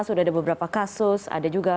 sudah ada beberapa kasus ada juga